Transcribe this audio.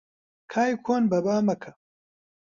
کای کۆن بەبا مەکە